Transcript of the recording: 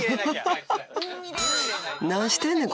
何してんねん？